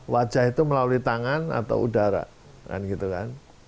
wajah itu melalui tangan atau udara